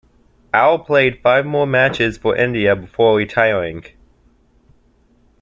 Ao played five more matches for India before retiring.